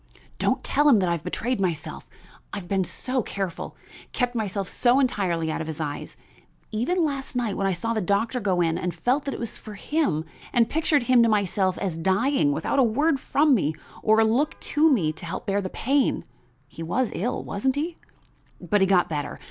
Don't tell me that I have betrayed myself, I've been so careful; kept myself so entirely out of his eyes, even last night when I saw the doctor go in and felt that it was for him, and pictured him to myself as dying without a word from me or a look to help me bear the pain. He was ill, wasn't he? but he got better.